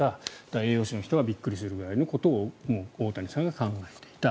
栄養士の人がびっくりするくらいのことを大谷さんが考えていた。